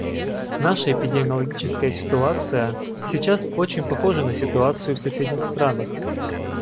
Наша эпидемиологическая ситуация сейчас очень похожа на ситуацию в соседних странах.